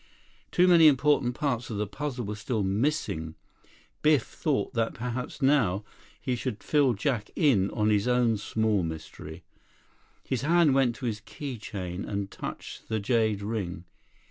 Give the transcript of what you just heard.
Too many important parts of the puzzle were still missing. Biff thought that perhaps now he should fill Jack in on his own small mystery. His hand went to his key chain and touched the jade ring.